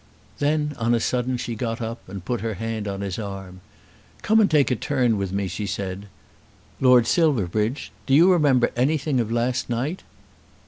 Then on a sudden she got up and put her hand on his arm. "Come and take a turn with me," she said. "Lord Silverbridge, do you remember anything of last night?"